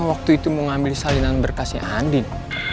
mau ngambil salinan berkasnya andin